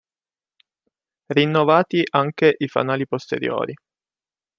Rinnovati anche i fanali posteriori.